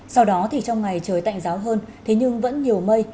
sau đó thì trong ngày trời tạnh giáo hơn thế nhưng vẫn nhiều mây